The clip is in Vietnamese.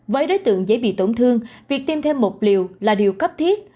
với đối tượng dễ bị tổn thương việc tiêm thêm một liều là điều cấp thiết